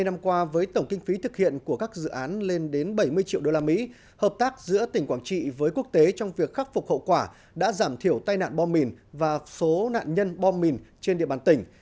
hai mươi năm qua với tổng kinh phí thực hiện của các dự án lên đến bảy mươi triệu usd hợp tác giữa tỉnh quảng trị với quốc tế trong việc khắc phục hậu quả đã giảm thiểu tai nạn bom mìn và số nạn nhân bom mìn trên địa bàn tỉnh